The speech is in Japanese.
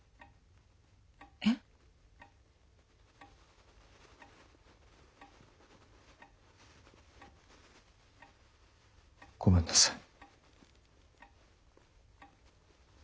えっ？ごめんなさい。